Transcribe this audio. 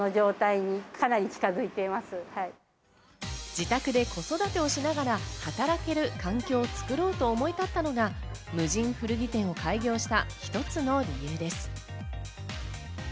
自宅で子育てをしながら働ける環境を作ろうと思い立ったのが無人古着店を開業した一つの理由です。